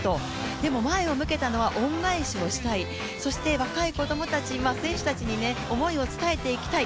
でも前を向けたのは恩返しをしたいそして若い子供たち、選手たちに思いを伝えていきたい。